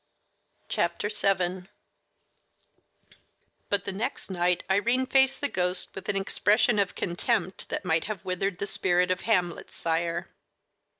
VII But the next night Irene faced the ghost with an expression of contempt that might have withered the spirit of Hamlet's sire.